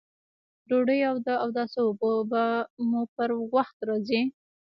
ډوډۍ او د اوداسه اوبه به مو پر وخت راځي!